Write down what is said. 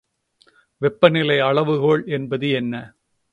வெப்பநிலை அளவுகோல் என்பது என்ன?